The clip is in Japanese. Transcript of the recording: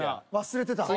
忘れてた。